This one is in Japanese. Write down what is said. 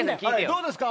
どうですか？